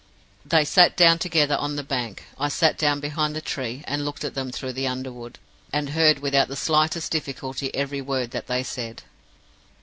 They sat down together on the bank. I sat down behind the tree, and looked at them through the under wood, and heard without the slightest difficulty every word that they said.